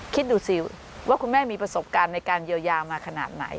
คิดดูสิว่าคุณแม่มีประสบการณ์ในการเยียวยามาขนาดไหน